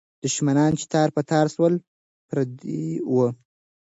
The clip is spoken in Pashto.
دښمنان چې تار په تار سول، پردي وو.